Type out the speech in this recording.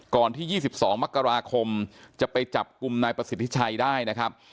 ที่๒๒มกราคมจะไปจับกลุ่มนายประสิทธิชัยได้นะครับ